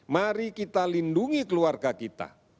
mari kita lindungi keluarga kita